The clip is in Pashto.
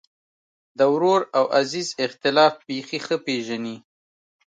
د ورور او عزیز اختلاف بېخي ښه پېژني.